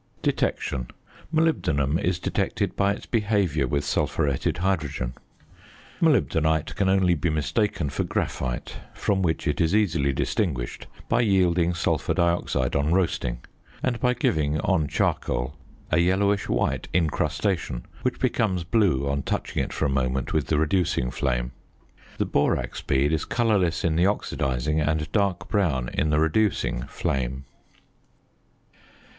~Detection.~ Molybdenum is detected by its behaviour with sulphuretted hydrogen. Molybdenite can only be mistaken for graphite, from which it is easily distinguished by yielding sulphur dioxide on roasting, and by giving, on charcoal, a yellowish white incrustation, which becomes blue on touching it for a moment with the reducing flame. The borax bead is colourless in the oxidising, and dark brown in the reducing, flame.